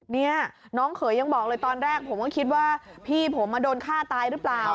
นี่น้องเขยยังบอกเลยตอนแรกผมก็คิดว่าพี่ผมมาโดนฆ่าตายหรือเปล่า